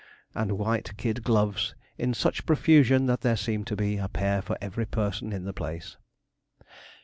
and white kid gloves in such profusion that there seemed to be a pair for every person in the place.